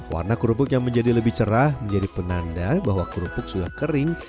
warna kerupuk yang menjadi lebih cerah menjadi penanda bahwa kerupuk sudah kering